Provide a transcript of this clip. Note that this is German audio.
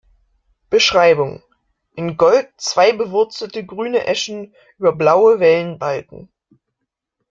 Beschreibung: "In Gold zwei bewurzelte grüne Eschen über blauen Wellenbalken.